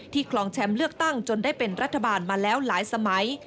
คลองแชมป์เลือกตั้งจนได้เป็นรัฐบาลมาแล้วหลายสมัย